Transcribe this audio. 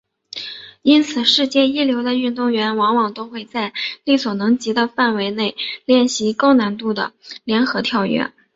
因此世界一流的运动员往往都会在力所能及的范围内练习高难度的联合跳跃。